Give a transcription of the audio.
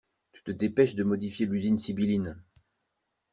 Tu te dépêches de modifier l'usine sibylline.